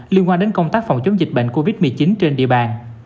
liên quan đến công tác phòng chống dịch bệnh covid một mươi chín trên địa bàn